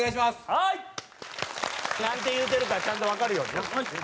はい！なんて言うてるかちゃんとわかるようにな。